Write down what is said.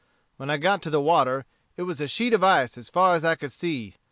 When I got to the water, it was a sheet of ice as far as I could see.